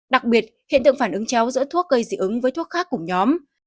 đặc biệt hiện tượng phản ứng chéo giữa thuốc gây dị ứng với thuốc khác cùng nhóm